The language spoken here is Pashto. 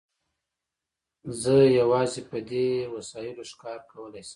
زه یوازې په دې وسایلو ښکار کولای شم.